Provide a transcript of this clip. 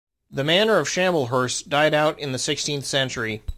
The Manor of Shamblehurst died out in the sixteenth century.